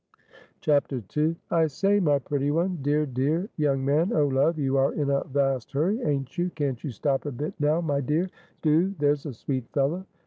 II. "I say, my pretty one! Dear! Dear! young man! Oh, love, you are in a vast hurry, aint you? Can't you stop a bit, now, my dear: do there's a sweet fellow."